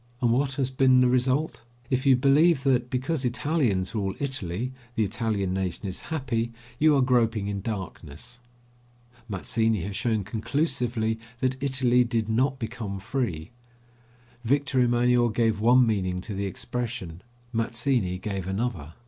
And what has been the result? If you believe that, because Italians rule Italy, the Italian nation is happy, you are groping in darkness. Mazzini has shown conclusively that Italy did not become free. Victor Emanuel gave one meaning to the expression; Mazzini gave another.